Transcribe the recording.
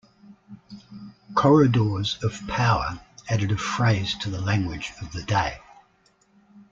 "Corridors of Power" added a phrase to the language of the day.